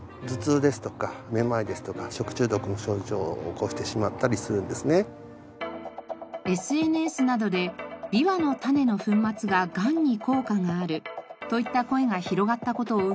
そうしますとですねＳＮＳなどで「ビワの種の粉末ががんに効果がある」といった声が広がった事を受け